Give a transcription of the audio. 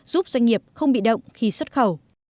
giúp doanh nghiệp không bị động khi xuất khẩu